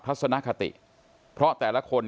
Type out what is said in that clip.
ทศนคติเพราะแต่ละคน